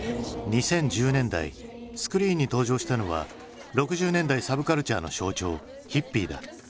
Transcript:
２０１０年代スクリーンに登場したのは６０年代サブカルチャーの象徴ヒッピーだ。